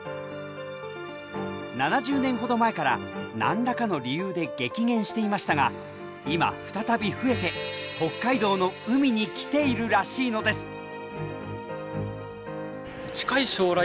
７０年ほど前から何らかの理由で激減していましたが今再び増えて北海道の海に来ているらしいのです。